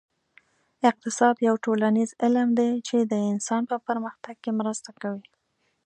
اقتصاد یو ټولنیز علم دی چې د انسان په پرمختګ کې مرسته کوي